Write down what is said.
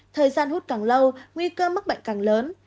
thời gian hút càng lâu nguy cơ mắc bệnh càng lớn